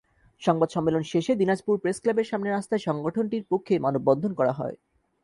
সংবাদ সম্মেলন শেষে দিনাজপুর প্রেসক্লাবের সামনে রাস্তায় সংগঠনটির পক্ষে মানববন্ধন করা হয়।